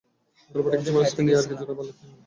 গল্পটা কিছুটা মানুষকে নিয়ে, আবার কিছুটা ভালুককে নিয়ে।